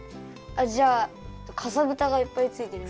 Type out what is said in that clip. あじゃあかさぶたがいっぱいついてる。